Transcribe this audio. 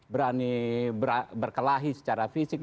berani berkelahi secara fisik